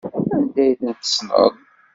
Anda ay tent-tessneḍ?